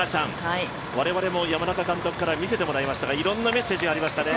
我々も山中監督から見せてもらいましたがいろんなメッセージがありましたね。